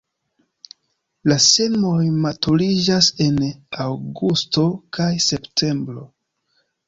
La semoj maturiĝas en aŭgusto kaj septembro.